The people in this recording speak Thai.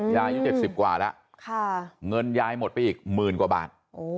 ยายอยู่๗๐กว่าละเงินยายหมดไปอีก๑๐๐๐๐กว่าบาท